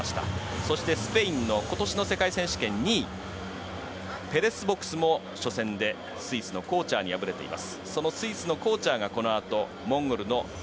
そしてスペインの今年の世界選手権２位の選手も初戦でスイスのコーチャーに敗れています。